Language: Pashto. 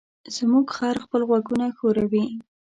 زموږ خر خپل غوږونه ښوروي.